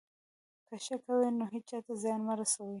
که ښه کوئ، نو هېچا ته زیان مه رسوئ.